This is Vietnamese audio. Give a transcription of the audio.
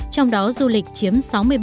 trong đó du lịch chiếm sáu mươi bảy bốn